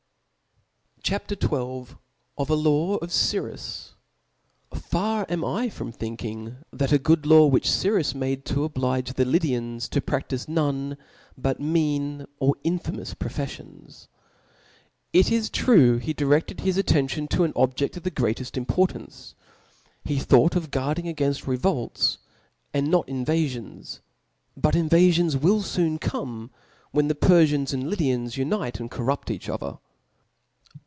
CHAP. XIL Of a Law (f Cyrw^ ]C^ A R am from thmking that a good law * which Cyrqs made to oblige the Lydians to pracbife none but mean or infamous profeflions. It is true, he direded his attention to an objed of the greateft importance; he thought of guarding againft revolts, and not invaQons : but invafions will foon come, when the Perfians and Lydians unite and corrupt each other.